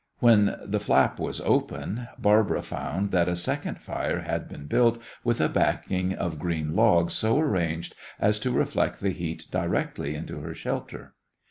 When the flap was open, Barbara found that a second fire had been built with a backing of green logs so arranged as to reflect the heat directly into her shelter.